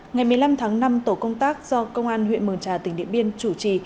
ngày một mươi năm tháng năm tổ công tác do công an huyện mường trà tỉnh điện biên chủ trì